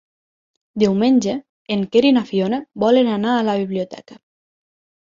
Diumenge en Quer i na Fiona volen anar a la biblioteca.